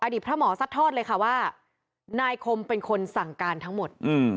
พระหมอซัดทอดเลยค่ะว่านายคมเป็นคนสั่งการทั้งหมด